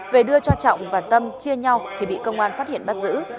về đưa cho trọng và tâm chia nhau thì bị công an phát hiện bắt giữ